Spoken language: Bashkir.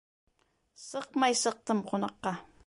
Сыҡмай сыҡтым ҡунаҡҡа